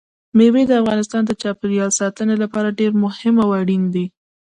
مېوې د افغانستان د چاپیریال ساتنې لپاره ډېر مهم او اړین دي.